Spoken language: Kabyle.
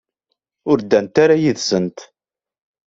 Ur ddant ara yid-sent.